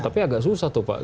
tapi agak susah tuh pak